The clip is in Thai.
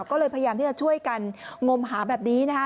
ก็เลยพยายามที่จะช่วยกันงมหาแบบนี้นะคะ